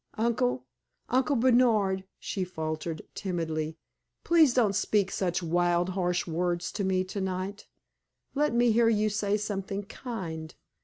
"Uncle Uncle Bernard," she faltered, timidly, "please don't speak such wild, harsh words to me tonight. Let me hear you say something kind.